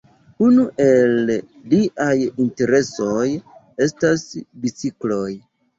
Unu el liaj interesoj estas bicikloj.